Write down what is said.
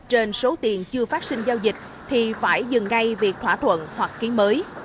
trên số tiền chưa phát sinh giao dịch thì phải dừng ngay việc thỏa thuận hoặc ký mới